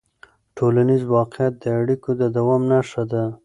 ټولنیز واقیعت د اړیکو د دوام نښه ده.